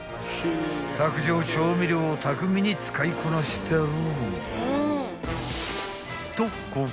［卓上調味料を巧みに使いこなしてる］